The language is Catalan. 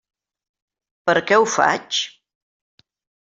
Per què ho faig?